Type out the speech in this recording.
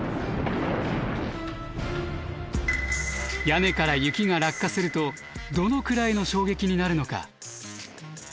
屋根から雪が落下するとどのくらいの衝撃になるのか？